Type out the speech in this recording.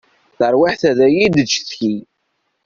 Tarwiḥt ad yi-d-tcetki.